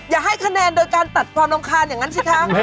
ให้คะแนนโดยการตัดความรำคาญอย่างนั้นสิคะ